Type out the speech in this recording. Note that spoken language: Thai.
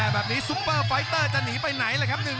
แบบนี้ซุปเปอร์ไฟเตอร์จะหนีไปไหนละครับ